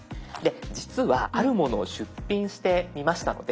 実はあるものを出品してみましたので。